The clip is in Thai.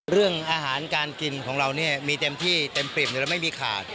เรื่องอาหารการกินของเราเนี่ยมีเต็มที่เต็มปริ่มเราไม่มีขาด